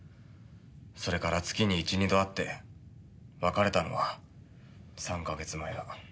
それから月に１２度会って別れたのは３か月前だ。